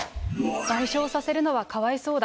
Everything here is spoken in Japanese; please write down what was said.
賠償させるのはかわいそうだ。